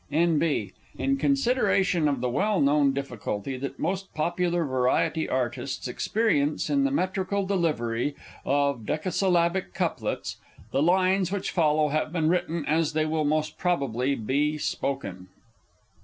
_ [N.B. _In consideration of the well known difficulty that most popular Variety Artists experience in the metrical delivery of decasyllabic couplets, the lines which follow have been written as they will most probably be spoken.